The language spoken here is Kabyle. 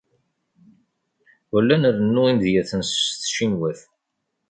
Ur la nrennu imedyaten s tcinwat.